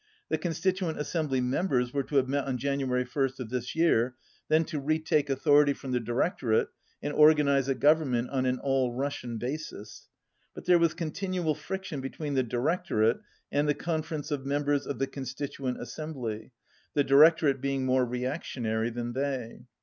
The Constituent Assem bly members were to have met on January ist of this year, then to retake authority from the Di rectorate and organize a government on an All Russian basis. But there was continual friction between the Directorate and the Conference of members of the Constituent Assembly, the Di rectorate being more reactionary than they.